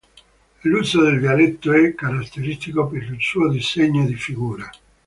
L'uso del dialetto è caratteristico per il suo disegno di figura.